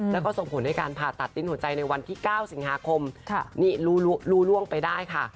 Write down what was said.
แล้วก็ส่งผลให้การผ่าตัดติ้นหัวใจในวันที่๙สิงหาคมนี่รู้ล่วงไปได้ค่ะ